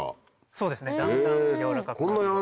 そうですねだんだんやわらかく。